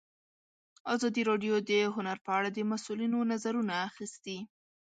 ازادي راډیو د هنر په اړه د مسؤلینو نظرونه اخیستي.